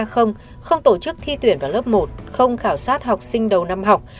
không tổ chức thi tuyển vào lớp một không khảo sát học sinh đầu năm học